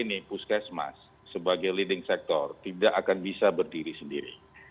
presiden jokowi yang harus kemas sebagai leading sektor tidak akan bisa berdiri sendiri